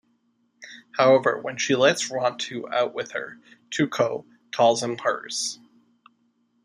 However, when she lets Rontu out with her, Tutok calls him hers.